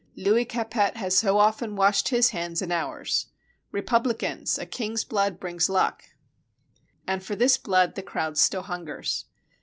Louis Capet has so often washed his hands in ours. Republicans, a king's blood brings luck!" And for this blood the crowd still hungers.